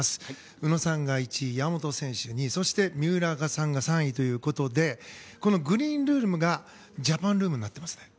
宇野さんが１位、山本選手が２位そして、三浦さんが３位ということでこのグリーンルームがジャパンルームになっています。